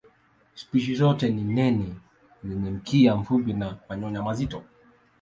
Spishi zote ni nene zenye mkia mfupi na manyoya mazito.